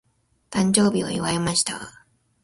誕生日を祝いました。